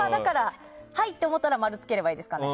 はいって思ったら〇つければいいですね。